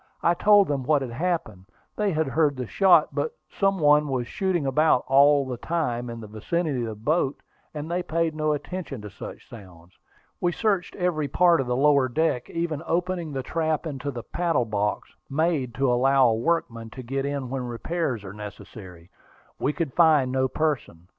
I told them what had happened. They had heard the shot; but some one was shooting about all the time in the vicinity of the boat, and they paid no attention to such sounds. We searched every part of the lower deck, even opening the trap into the paddle box, made to allow a workman to get in when repairs were necessary. We could find no person.